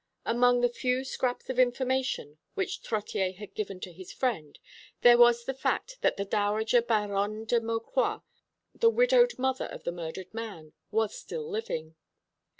Among the few scraps of information which Trottier had given to his friend there was the fact that the dowager Baronne de Maucroix, the widowed mother of the murdered man, was still living.